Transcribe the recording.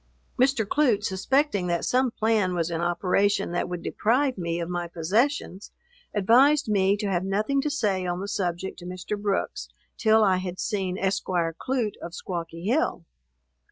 Mr. Clute, suspecting that some plan was in operation that would deprive me of my possessions, advised me to have nothing to say on the subject to Mr. Brooks, till I had seen Esquire Clute, of Squawky Hill.